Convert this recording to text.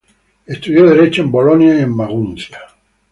Estudió Derecho en Bolonia y en Maguncia.